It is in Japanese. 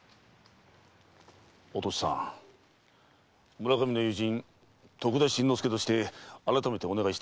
村上の友人徳田新之助として改めてお願いしたい。